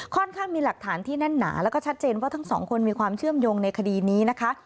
ข้างมีหลักฐานที่แน่นหนาแล้วก็ชัดเจนว่าทั้งสองคนมีความเชื่อมโยงในคดีนี้นะคะ